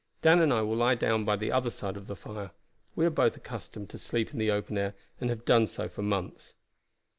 Dan and I will lie down by the other side of the fire. We are both accustomed to sleep in the open air, and have done so for months."